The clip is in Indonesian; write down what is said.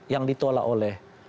yang ditolak oleh